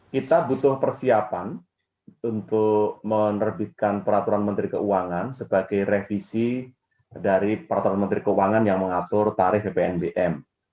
kita butuh persiapan untuk menerbitkan peraturan menteri keuangan sebagai revisi dari peraturan menteri keuangan yang mengatur tarif bpnbm